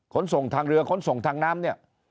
ขนส่งทางเรือขนส่งทางน้ำ